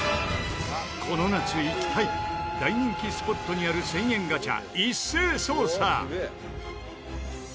この夏行きたい大人気スポットにある１０００円ガチャ一斉捜査！